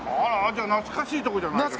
じゃあ懐かしいとこじゃない。